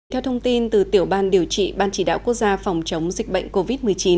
theo thông tin từ tiểu ban điều trị ban chỉ đạo quốc gia phòng chống dịch bệnh covid một mươi chín